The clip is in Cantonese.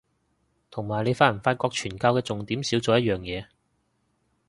同埋你發唔發覺傳教嘅重點少咗一樣嘢